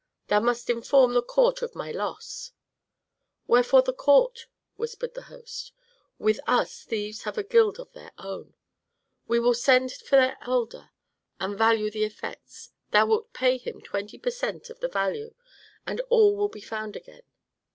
"Thou must inform the court of my loss." "Wherefore the court?" whispered the host. "With us thieves have a guild of their own. We will send for their elder, and value the effects; thou wilt pay him twenty per cent of the value and all will be found again.